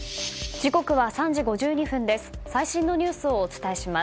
時刻は３時５２分です。